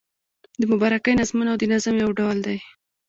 د مبارکۍ نظمونه د نظم یو ډول دﺉ.